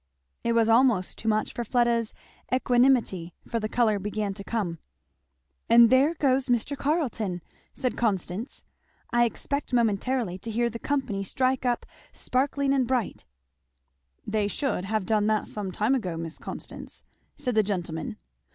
It was almost too much for Fleda's equanimity, for the colour began to come. "And there goes Mr. Carleton!" said Constance. "I expect momentarily to hear the company strike up 'Sparkling and Bright.'" [Illustration: "And there goes Mr. Carleton!" said Constance.] "They should have done that some time ago, Miss Constance," said the gentleman.